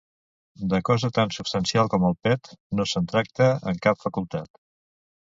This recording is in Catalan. De cosa tan substancial com el pet, no se'n tracta en cap facultat.